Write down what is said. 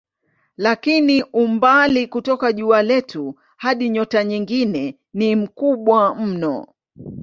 Lakini umbali kutoka jua letu hadi nyota nyingine ni mkubwa mno.